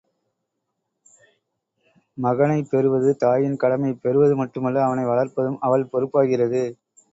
மகனைப் பெறுவது தாயின் கடமை பெறுவது மட்டுமல்ல அவனை வளர்ப்பதும் அவள் பொறுப்பாகிறது.